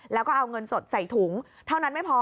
แล้วก็เอาเงินสดใส่ถุงเท่านั้นไม่พอ